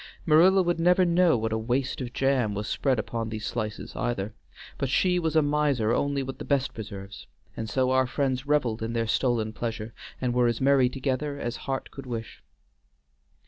Marilla would never know what a waste of jam was spread upon these slices either, but she was a miser only with the best preserves, and so our friends reveled in their stolen pleasure, and were as merry together as heart could wish.